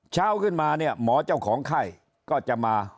เช้าขึ้นมาเนี่ยหมอเจ้าของไข้ก็จะมา